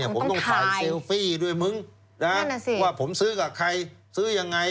ผมต้องถ่ายเซลฟี่ด้วยมึงนะว่าผมซื้อกับใครซื้อยังไง